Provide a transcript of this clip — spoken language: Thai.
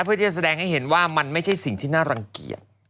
เพื่อที่จะแสดงให้เห็นว่ามันไม่ใช่สิ่งที่น่ารังเกียจ